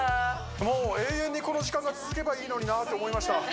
もう永遠にこの時間が続けばいいのになと思いました